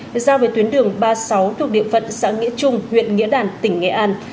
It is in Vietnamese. để giao về tuyến đường ba mươi sáu thuộc địa phận xã nghĩa trung huyện nghĩa đàn tỉnh nghệ an